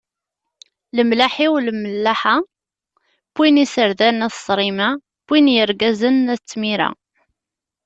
Lemlaḥ-iw lmellaḥa, wwin iserdan at ssṛima, wwin yirgazen at d timira.